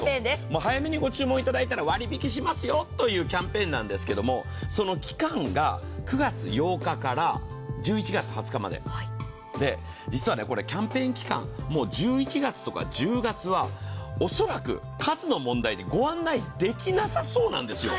早めにご注文いただいたら割引きしますよというキャンペーンなんですけどその期間が９月８日から１１月２０日までで、実はキャンペーン期間、もう１１月とか１０月は恐らく数の問題でご案内できなさそうなんですよ。